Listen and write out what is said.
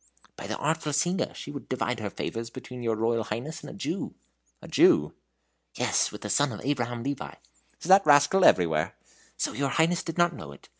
"By the artful singer. She would divide her favors between your Royal Highness and a Jew." "A Jew?" "Yes! with the son of Abraham Levi." "Is that rascal everywhere?" "So your Highness did not know it?